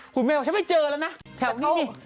คุณแมวฉันไม่เจอแล้วนะแถวนี้นี่